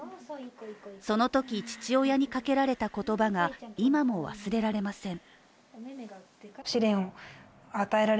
そのとき、父親にかけられた言葉が今も忘れられません。